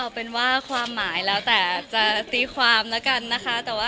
เป็นว่าความหมายแล้วแต่จะตีความแล้วกันนะคะ